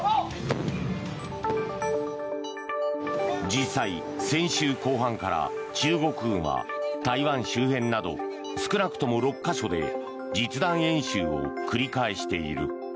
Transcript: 実際、先週後半から中国軍は台湾周辺など少なくとも６か所で実弾演習を繰り返している。